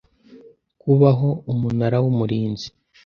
Kubaho umunara w umurinzi